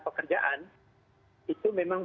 pekerjaan itu memang